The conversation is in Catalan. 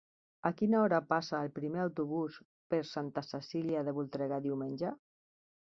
A quina hora passa el primer autobús per Santa Cecília de Voltregà diumenge?